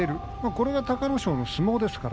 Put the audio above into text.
これが隆の勝の相撲です。